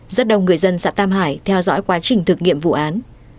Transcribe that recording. rất đông người dân xã tam hải theo dõi quá trình thực nghiệm vụ án